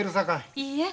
いいえ。